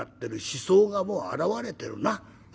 死相がもう表れてるな。